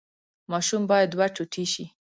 ماشوم باید دوه ټوټې شي.